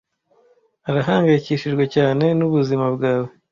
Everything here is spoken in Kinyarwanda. Arahangayikishijwe cyane nubuzima bwawe.